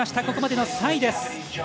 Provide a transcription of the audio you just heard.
ここまでの３位です。